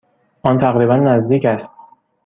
آن تقریبا نزدیک است.